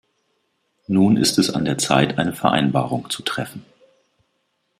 Nun ist es an der Zeit, eine Vereinbarung zu treffen.